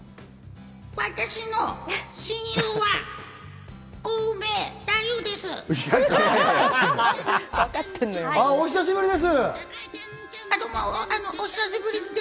私の親友は、コウメ太夫です。